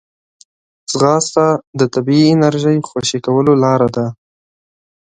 ځغاسته د طبیعي انرژۍ خوشې کولو لاره ده